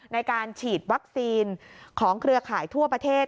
ในการฉีดวัคซีนของเครือข่ายทั่วประเทศ